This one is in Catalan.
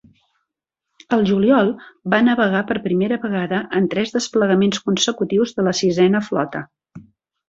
Al juliol, va navegar per primera vegada en tres desplegaments consecutius de la Sisena Flota.